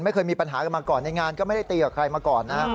ไม่เคยมีปัญหากันมาก่อนในงานก็ไม่ได้ตีกับใครมาก่อนนะครับ